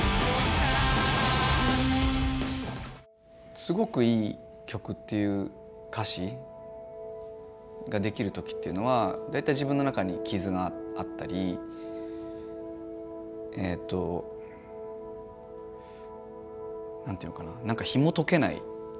すごくいい曲っていう歌詞ができる時っていうのは大体自分の中に傷があったりえと何ていうのかななんかひもとけないパズルみたいな。